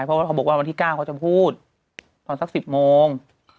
เพราะเขาบอกว่าวันที่๙เขาจะพูดตอนสัก๑๐โมง